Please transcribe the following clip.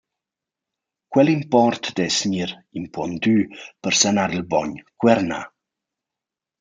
Quel import dess gnir impundü per sanar il bogn cuernà.